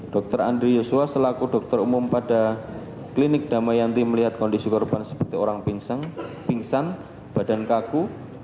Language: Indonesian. dr andri yosua selaku dokter umum pada klinik damayanti melihat kondisi korban seperti orang pingsan pingsan badan kaku